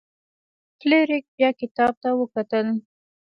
فلیریک بیا کتاب ته وکتل.